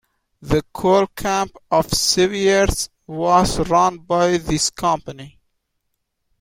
The coal camp of Severs was run by this company.